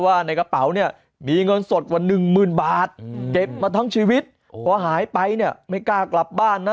ว่าในกระเป๋าเนี่ยมีเงินสดกว่าหนึ่งหมื่นบาทเก็บมาทั้งชีวิตพอหายไปเนี่ยไม่กล้ากลับบ้านนะ